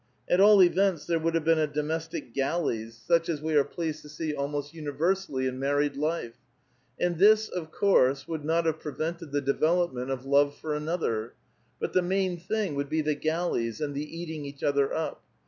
At all events, there would have been a domestic galleys, such as A VITAL QUESTION. 303 we are pleased to see almost universally in married life ; and this, of course, would not have prevented the develop ment of love for another; but the main thing would be the galleys, and the eating each other up.